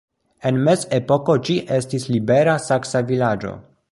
En mezepoko ĝi estis libera saksa vilaĝo.